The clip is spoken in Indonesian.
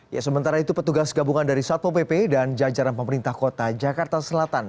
ya sementara itu petugas gabungan dari satpo pp dan jajaran pemerintah kota jakarta selatan